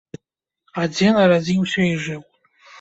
А дзе нарадзіўся і жыў?